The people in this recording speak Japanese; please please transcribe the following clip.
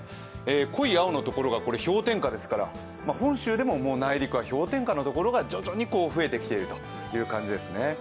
濃い青のところが氷点下ですから本州でも内陸は氷点下のところが徐々に増えてきている感じですね。